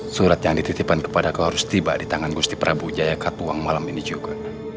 surat yang dititipkan kepada kau harus tiba di tangan gusti prabu jaya katuang malam ini juga